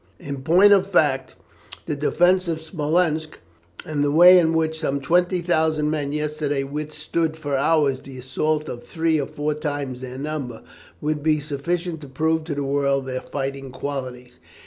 "In point of fact, the defence of Smolensk, and the way in which some 20,000 men yesterday withstood for hours the assault of three or four times their number, would be sufficient to prove to the world their fighting qualities.